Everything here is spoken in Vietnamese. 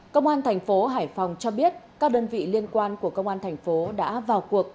công an thành phố hải phòng cho biết các đơn vị liên quan của công an thành phố đã vào cuộc